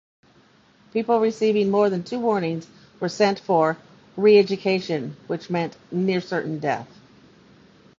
People receiving more than two warnings were sent for "re-education," which meant near-certain death.